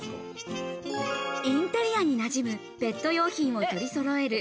インテリアになじむペット用品を取りそろえる